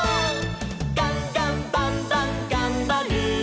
「ガンガンバンバンがんばる！」